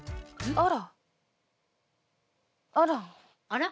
あら、あら。